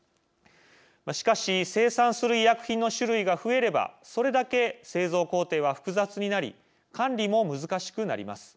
しかし、生産する医薬品の種類が増えればそれだけ製造工程は複雑になり管理も難しくなります。